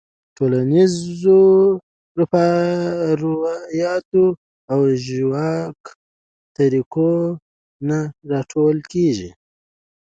ټولنیزو رواياتو او د ژواک د طريقو نه راټوکيږي -